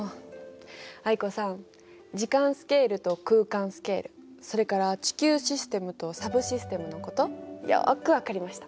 藍子さん時間スケールと空間スケールそれから地球システムとサブシステムのことよく分かりました。